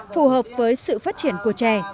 phù hợp với sự phát triển của trẻ